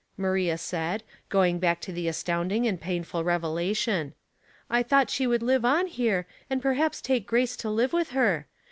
" Maria said, going back to the astounding and painful revelation. " I thought she would live on here, and perhaps take Grace to live with her.